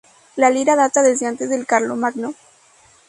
La lira data desde antes de Carlomagno.